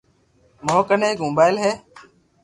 مون ڪني ايڪ موبائل ھي